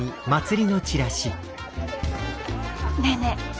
ねえねえ。